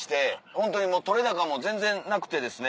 ホントにもう撮れ高も全然なくてですね。